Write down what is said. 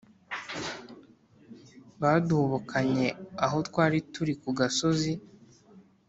baduhubukanye aho twari turi ku gasozi